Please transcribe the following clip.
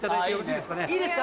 いいですか？